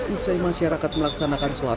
usai masyarakat melaksanakan solatara